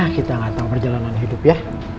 kita gak tau perjalanan hidup ya